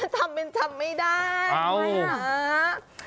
ทำเป็นทำไม่ได้ทำไมล่ะ